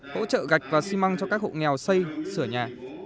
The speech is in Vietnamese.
hỗ trợ gạch và xi măng cho các hộ nghèo xây sửa nhà